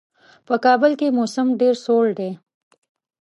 په کابل کې موسم ډېر سوړ دی.